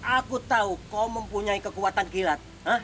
aku tahu kau mempunyai kekuatan kilat